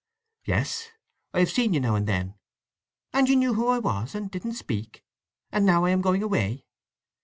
"Yes—I have seen you now and then." "And you knew who I was, and didn't speak? And now I am going away!"